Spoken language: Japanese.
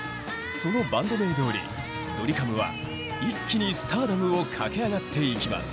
そのバンド名どおりドリカムは一気にスターダムを駆け上がっていきます。